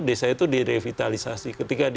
desa itu direvitalisasi ketika